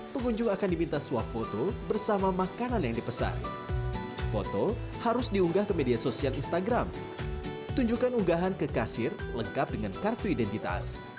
pilih rasa jangan sara